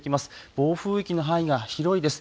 暴風域の範囲が広いです。